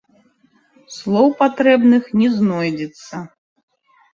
Слоў патрэбных не знойдзецца.